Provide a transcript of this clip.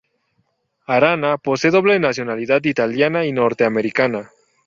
Arana posee doble nacionalidad italiana y norteamericana.